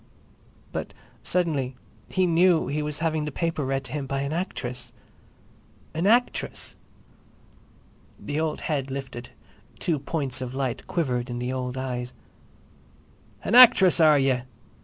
But suddenly he knew he was having the paper read to him by an actress! "An actress!" The old head lifted; two points of light quivered in the old eyes. "An actress—are ye?"